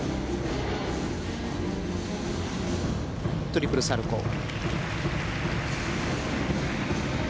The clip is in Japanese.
トリプルサルコウ。